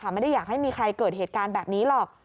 ไม่ได้อยากให้มีใครเกิดเหตุการณ์แบบนี้หรอก